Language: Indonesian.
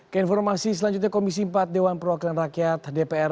keinformasi selanjutnya komisi empat dewan perwakilan rakyat dpr